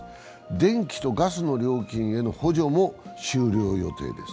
電気とガスの料金への補助も終了予定です。